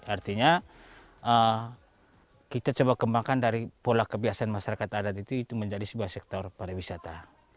artinya kita coba kembangkan dari pola kebiasaan masyarakat adat itu menjadi sebuah sektor pariwisata